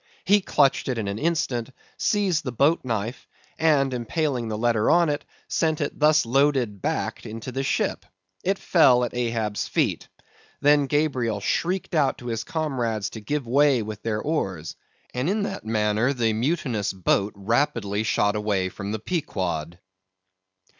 He clutched it in an instant, seized the boat knife, and impaling the letter on it, sent it thus loaded back into the ship. It fell at Ahab's feet. Then Gabriel shrieked out to his comrades to give way with their oars, and in that manner the mutinous boat rapidly shot away from the Pequod.